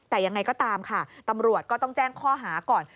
แต่ยังไงก็ตามค่ะตำรวจก็ต้องแจ้งข้อหาก่อน